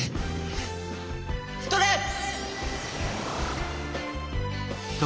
ストレッ！